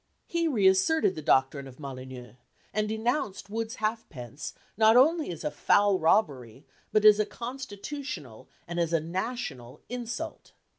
He reasserted the doctrine of Molyneux, and denounced Wood's halfpence not only as a foul robbery, but as a constitutional and as a national insult.